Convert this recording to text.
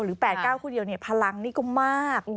หรือ๘๙คู่เดียวนี่พลังนี่ก็มาก